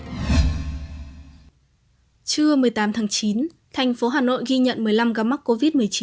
trưa một mươi tám tháng chín thành phố hà nội ghi nhận một mươi năm ca mắc covid một mươi chín